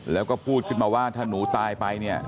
แล้วก็พูดขึ้นมาว่าถ้าหนูตายไปเนี่ย